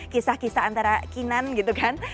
kisah kisah antara kinan gitu kan